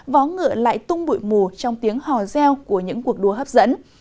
vó ngựa lại tung bụi mù trong tiếng hò reo của những cuộc đua hấp dẫn